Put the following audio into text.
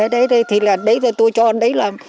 đấy đấy thì là đấy là tôi cho đấy là